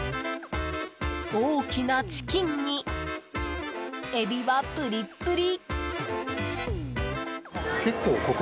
大きなチキンにエビはプリップリ！